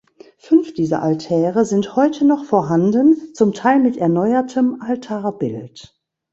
Fünf dieser Altäre sind heute noch vorhanden, zum Teil mit erneuertem Altarbild.